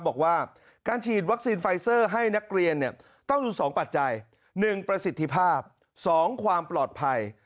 บอกว่าการฉีดวัคซีนไฟเซอร์ให้นักเรียนต้องดู๒ปัจจัย๑ประสิทธิภาพ๒ความปลอดภัย